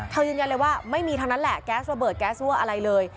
ยืนยันเลยว่าไม่มีทั้งนั้นแหละแก๊สระเบิดแก๊สรั่วอะไรเลย